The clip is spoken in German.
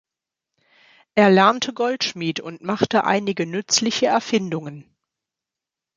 Er lernte Goldschmied und machte einige nützliche Erfindungen.